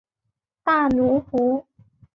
大奴湖。